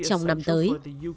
trong năm tới